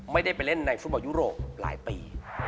ไม่ได้ไปเล่นในฟุตบอลยุโรปหลายปี